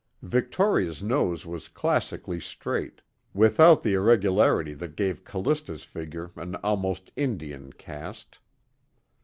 Victoria's nose was classically straight, without the irregularity that gave Callista's features an almost Indian cast.